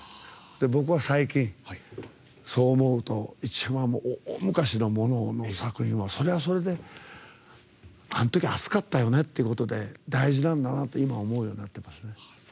僕は最近、そう思うと大昔のものの作品はそれは、それであのときは熱かったよねっていうことで大事なんだなって思うようになってますね。